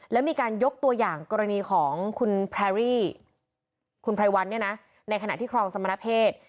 แล้วมีการยกตัวอย่างกรณีของคุณพรายวันในขณะที่ครองสมณเพศ